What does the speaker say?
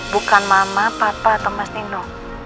bukan mama papa atau mas nino